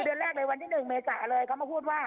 เดือนแรกเลยวันที่๑เมษาเลยเขามาพูดว่า